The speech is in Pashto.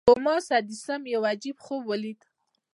توماس ايډېسن يو عجيب خوب وليد.